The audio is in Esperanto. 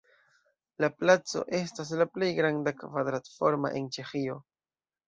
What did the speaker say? La placo estas la plej granda kvadrat-forma en Ĉeĥio.